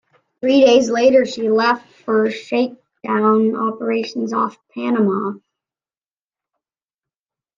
Three days later she left for shakedown operations off Panama.